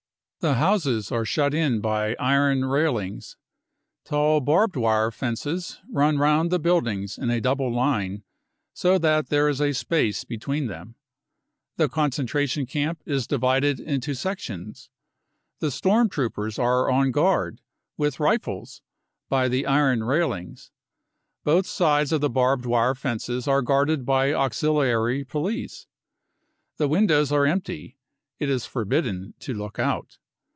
" The houses are shut in by iron railings. Tall barbed wire fences run round the buildings in a double line, so that there is a space between. The concentration camp is divided into sections. The storm troopers are on guard, with rifles, by the iron railings. Both sides of the barbed wire fences are guarded by auxiliary police. The windows are empty : it is forbidden to look out.